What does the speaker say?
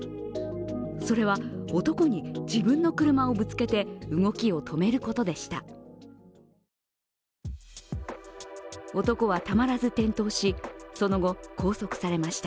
それは男に自分の車をぶつけて動きを止めることでした。